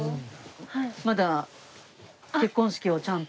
まだ結婚式はちゃんと？